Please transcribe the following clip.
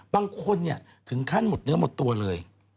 บางคนถึงขั้นหมดเนื้อหมดตัวเลย